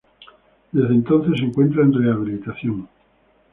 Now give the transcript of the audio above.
Desde entonces, se encuentra en rehabilitación.